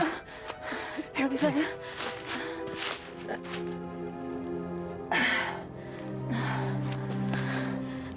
gak bisa ya